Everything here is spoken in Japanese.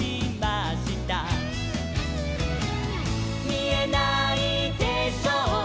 「みえないでしょう